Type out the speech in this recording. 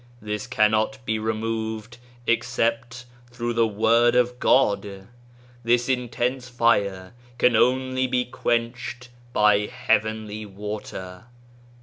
This cannot be removed except through the Word of God. This intense fire can only be quenched by heavenly water."